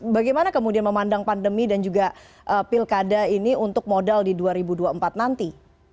bagaimana kemudian memandang pandemi dan juga pilkada ini untuk modal di dua ribu dua puluh empat nanti